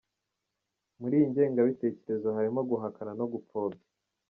Muri iyi ngengabitekerezo harimo guhakana no gupfobya.